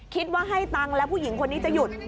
ให้ตังค์แล้วผู้หญิงคนนี้จะหยุด